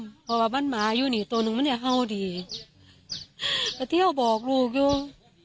เพราะว่าบ้านหมาอยู่นี่ตัวหนึ่งมันเนี่ยเห่าดีก็เที่ยวบอกลูกอยู่